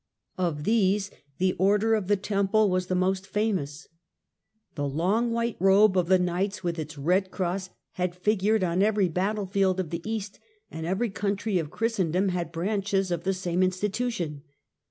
Of these the Order of the Temple was the most famous. The long white robe of the Knights, with its red cross, had figured on every battle field of the East, and every country of Christendom had branches of the same institution.